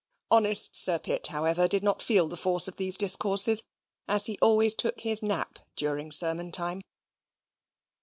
Honest Sir Pitt, however, did not feel the force of these discourses, as he always took his nap during sermon time.